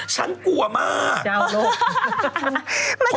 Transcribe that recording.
ฉันกลัวมาก